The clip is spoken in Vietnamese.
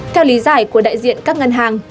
theo lý giải của đại diện các ngân hàng